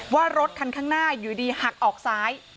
ว่ารถคันข้างหน้าอยู่ดีหักออกซ้าย